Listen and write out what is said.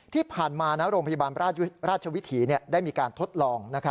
ที่ผ่านมาโรงพยาบาลราชวิถีได้มีการทดลอง